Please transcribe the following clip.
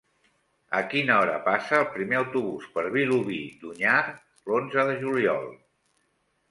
A quina hora passa el primer autobús per Vilobí d'Onyar l'onze de juliol?